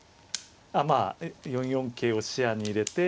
まあ４四桂を視野に入れて。